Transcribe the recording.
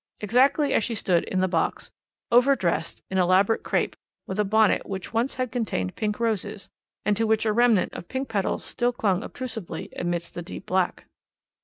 Exactly as she stood in the box over dressed in elaborate crape, with a bonnet which once had contained pink roses, and to which a remnant of pink petals still clung obtrusively amidst the deep black.